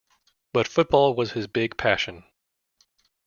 But football was his big passion.